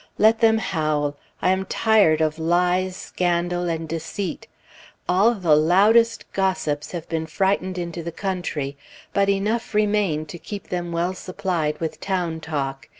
Let them howl. I am tired of lies, scandal, and deceit. All the loudest gossips have been frightened into the country, but enough remain to keep them well supplied with town talk....